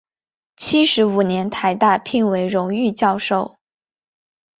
七十五年台大聘为荣誉教授。